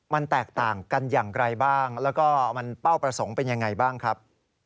มันแตกต่างกันอย่างไรบ้างแล้วก็มันเป้าประสงค์เป็นยังไงบ้างครับ